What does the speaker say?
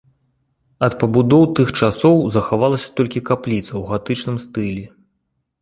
Ад пабудоў тых часоў захавалася толькі капліца ў гатычным стылі.